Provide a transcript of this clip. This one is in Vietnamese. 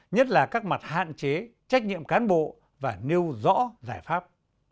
nhất là các mặt hạn chế trách nhiệm cán bộ và nêu rõ giải pháp